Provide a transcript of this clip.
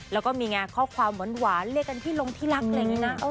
แล้วก็มีงานข้อความหวานเรียกกันที่ลงที่รักอะไรอย่างนี้นะ